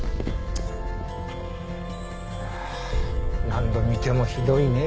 何度見てもひどいね。